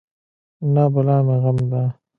نه بلا مې غم ده.